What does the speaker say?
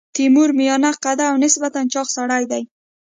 تیمور میانه قده او نسبتا چاغ سړی دی.